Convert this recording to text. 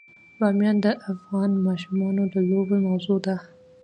بامیان د افغان ماشومانو د لوبو موضوع ده.